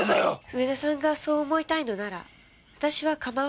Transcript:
上田さんがそう思いたいのなら私はかまわないですけど。